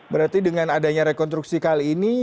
berarti dengan adanya rekonstruksi kali ini